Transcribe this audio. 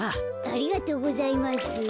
ありがとうございます。